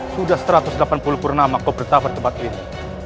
sudah satu ratus delapan puluh purnama kau bertapa di tempat ini